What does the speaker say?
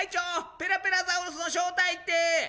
ペラペラザウルスの正体って」。